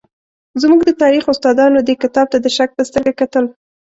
زموږ د تاریخ استادانو دې کتاب ته د شک په سترګه کتل.